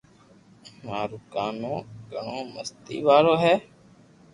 مارو ڪانو گھڻو مستي وارو ھي